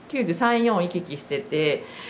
９３９４を行き来してて。